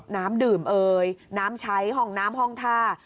น้ำดื่มเอ่ยน้ำใช้ห้องน้ำห้องท่า